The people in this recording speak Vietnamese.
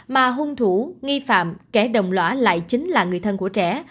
mà hung thủ nghi phạm kẻ đồng lõa lại chính là người thân của trẻ